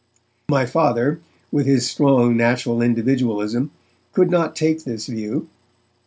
My Father, with his strong natural individualism, could not take this view.